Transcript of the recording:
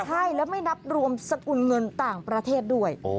ใช่แล้วไม่นับรวมสกุลเงินต่างประเทศด้วย